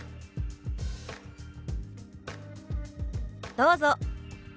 どうぞ。